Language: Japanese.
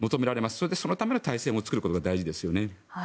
それでそのための体制も作ることが大事ですよね。